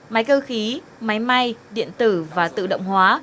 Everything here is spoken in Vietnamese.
máy cơ khí máy may điện tử và tự động hóa